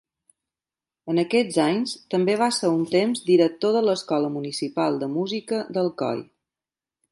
En aquests anys també va ser un temps director de l'Escola Municipal de Música d'Alcoi.